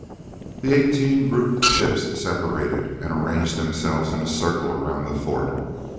The eighteen grouped ships separated, and arranged themselves in a circle around the fort.